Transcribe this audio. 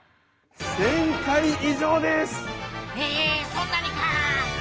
そんなにか！？